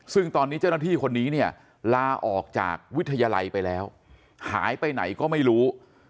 ซึ่งตอนนี้เจ้าหน้าที่คนนี้เนี่ยลาออกจากวิทยาลัยไปแล้วหายไปไหนก็ไม่รู้